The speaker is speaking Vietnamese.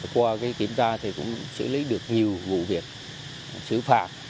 qua kiểm tra thì cũng xử lý được nhiều vụ việc xử phạt